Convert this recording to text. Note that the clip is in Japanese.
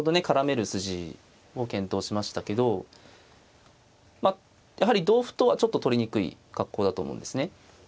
絡める筋を検討しましたけどやはり同歩とはちょっと取りにくい格好だと思うんですね。